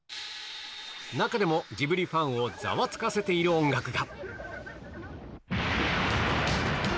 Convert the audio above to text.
中でもジブリファンをざわつかせている音楽が。